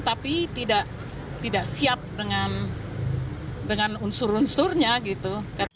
tapi tidak siap dengan unsur unsurnya gitu